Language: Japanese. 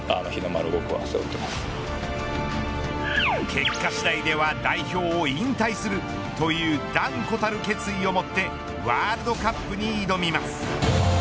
結果次第では代表を引退するという断固たる決意をもってワールドカップに挑みます。